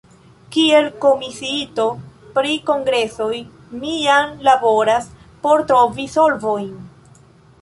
Kiel komisiito pri kongresoj mi jam laboras por trovi solvojn.